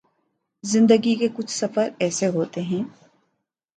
زندگی کے کچھ سفر ایسے ہوتے ہیں